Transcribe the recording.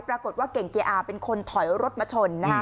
ปรากฏว่าเก่งเกียอลคือเป็นคนถอยรถมาชน